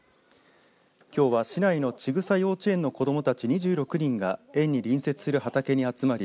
きょうは市内のちぐさ幼稚園の子どもたち２６人が園に隣接する畑に集まり